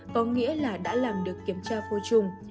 có nghĩa là đã làm được kiểm tra vô trùng